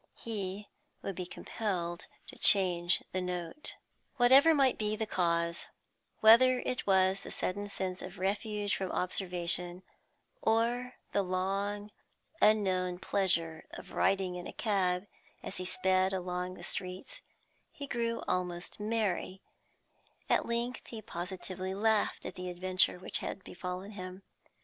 He would be compelled to change the note! Whatever might be the cause, whether it was the sudden sense of refuge from observation, or the long unknown pleasure of riding in a cab, as he sped along the streets he grew almost merry; at length he positively laughed at the adventure which had befallen him.